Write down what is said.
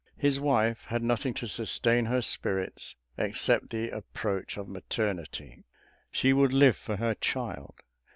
His wife had nothing to sustain her spirits except the approach of maternity she would live for her child.